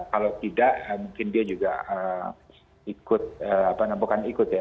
kalau tidak mungkin dia juga ikut bukan ikut ya